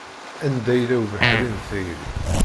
Anda yella ubeḥri n tayri.